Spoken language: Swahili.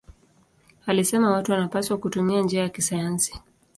Alisema watu wanapaswa kutumia njia ya kisayansi.